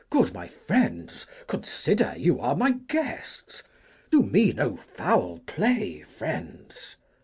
Good my friends, consider You are my guests. Do me no foul play, friends.